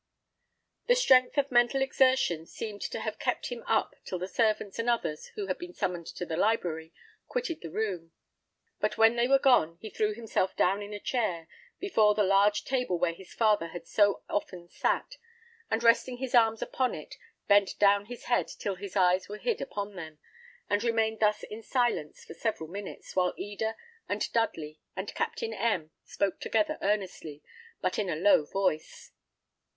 The strength of mental exertion seemed to have kept him up till the servants and others, who had been summoned to the library, quitted the room; but when they were gone, he threw himself down in a chair, before the large table where his father had so often sat, and resting his arms upon it, bent down his head till his eyes were hid upon them, and remained thus in silence for several minutes, while Eda, and Dudley, and Captain M , spoke together earnestly, but in a low voice.